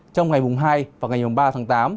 trong ngày mùng hai và ngày mùng ba tháng tám